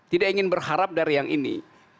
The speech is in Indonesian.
tidak ingin berharap dari yang ini